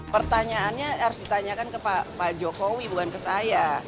pertanyaannya harus ditanyakan ke pak jokowi bukan ke saya